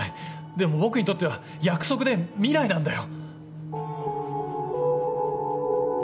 でも僕にとっては約束で未来なんだよ。